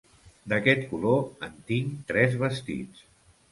D'aquest color en tinc tres vestits.